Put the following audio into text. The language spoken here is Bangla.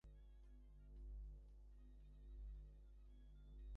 পথের মধ্যে একটা কী ব্যাঘাত হওয়াতে গাড়ি অনেক বিলম্বে আসিবে শুনিলাম।